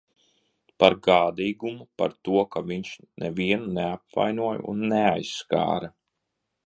Par gādīgumu, par to, ka viņš nevienu neapvainoja un neaizskāra.